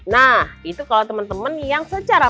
nah itu kalau teman teman yang secara